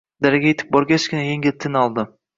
Dalaga yetib borgachgina yengil tin oldi